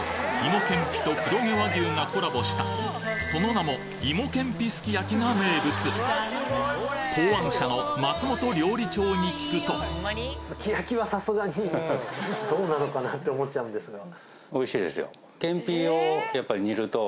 芋けんぴと黒毛和牛がコラボしたその名もが名物考案者の松本料理長に聞くとどうなのかな？って思っちゃうんですが。